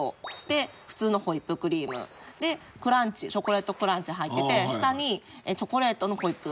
で普通のホイップクリーム。でクランチチョコレートクランチ入ってて下にチョコレートのホイップが入ってて。